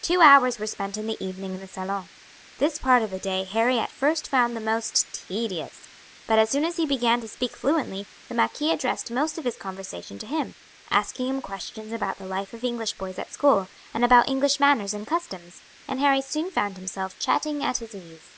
Two hours were spent in the evening in the salon. This part of the day Harry at first found the most tedious; but as soon as he began to speak fluently the marquis addressed most of his conversation to him, asking him questions about the life of English boys at school and about English manners and customs, and Harry soon found himself chatting at his ease.